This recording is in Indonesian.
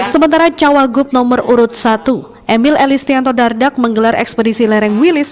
sementara cawagup nomor urut satu emil elistianto dardak menggelar ekspedisi lereng wilis